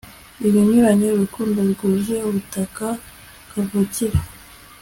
Ibinyuranye urukundo rwuzuye ubutaka kavukire